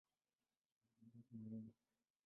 Ina bandari muhimu.